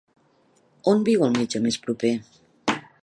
On viu el metge més proper?